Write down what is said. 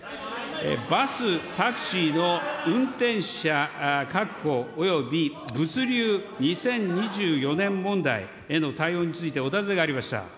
バス・タクシーの運転者確保および物流２０２４年問題への対応についてお尋ねがありました。